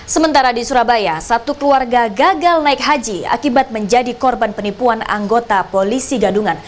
sementara di surabaya satu keluarga gagal naik haji akibat menjadi korban penipuan anggota polisi gadungan